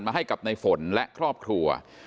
ให้กับในฝนและครอบครัว